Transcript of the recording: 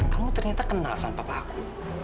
kamu ternyata kenal sama papa aku